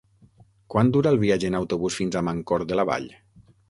Quant dura el viatge en autobús fins a Mancor de la Vall?